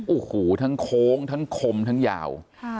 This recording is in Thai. โอ้โหทั้งโค้งทั้งคมทั้งยาว